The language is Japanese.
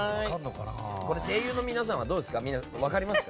声優の皆さんは分かりますか？